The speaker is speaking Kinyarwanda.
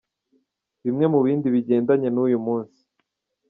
Bimwe mu bindi bigendanye n’uyu munsi:.